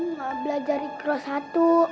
nggak belajar ikhlas satu